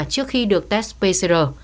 trước khi được test pcr